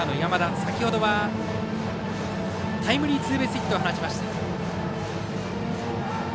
先ほどはタイムリーツーベースヒットを放ちました。